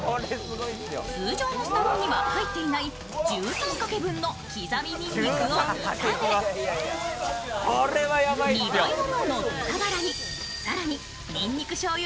通常のすた丼には入っていない１３かけ分の刻みにんにくを炒め２倍の量の豚バラに更ににんにくしょうゆ